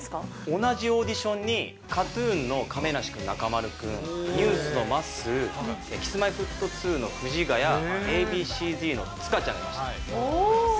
同じオーディションに、ＫＡＴーＴＵＮの亀梨君、中丸君、ＮＥＷＳのマッスー、Ｋｉｓ−Ｍｙ−Ｆｔ２の藤ヶ谷、Ａ．Ｂ．ＣーＺの塚ちゃんがいました。